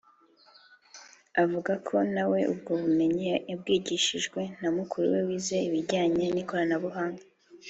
Akavuga ko na we ubwo bumenyi yabwigishijwe na mukuru we wize ibinjyanye n’ikoranabuhanga